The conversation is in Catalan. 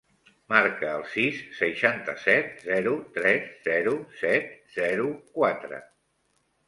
Marca el sis, seixanta-set, zero, tres, zero, set, zero, quatre.